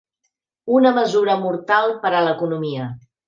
Una mesura mortal per a l'economia.